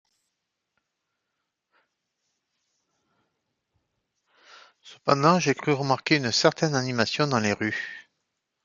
Cependant, j’ai cru remarquer une certaine animation dans les rues.